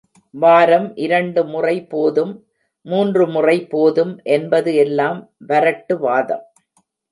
வாரம் இரண்டு முறை போதும், மூன்று முறை போதும் என்பது எல்லாம் வரட்டுவாதம்.